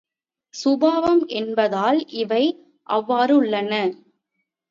சுபாவம் என்பதால் இவை அவ்வாறுள்ளன.